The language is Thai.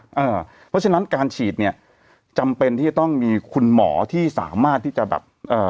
เพราะฉะนั้นการฉีดเนี่ยจำเป็นที่จะต้องมีคุณหมอที่สามารถที่จะแบบเอ่อ